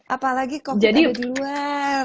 apalagi kalau kita di luar